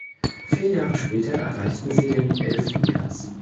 Vier Jahre später erreichten sie den elften Platz.